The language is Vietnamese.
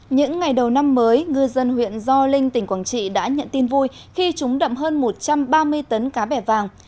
những ngày đầu năm mới ngư dân huyện do linh tỉnh quảng trị đã nhận tin vui khi chúng đậm hơn một trăm ba mươi tấn cá bẻ vàng